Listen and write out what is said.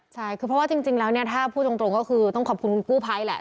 ใช่คือเพราะว่าจริงแล้วเนี่ยถ้าพูดตรงก็คือต้องขอบคุณคุณกู้ภัยแหละ